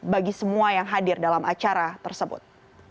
bagi semua yang hadir dalam acara tersebut